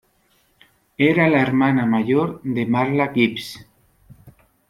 Era la hermana mayor de Marla Gibbs.